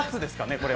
これは。